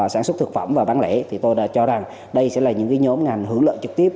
sản xuất thực phẩm và bán lễ tôi cho rằng đây sẽ là những nhóm ngành hướng lợi trực tiếp